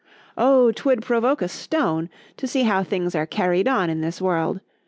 ——O 'twould provoke a stone, to see how things are carried on in this world!